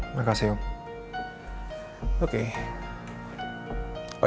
sakti bukan kamu